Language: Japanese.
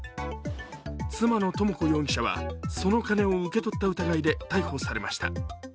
妻の智子容疑者はその金を受け取った疑いで逮捕されました。